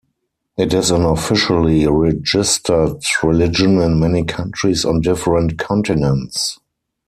It is an officially registered religion in many countries on different continents.